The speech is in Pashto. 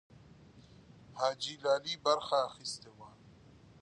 حاجي لالی برخه اخیستې وه.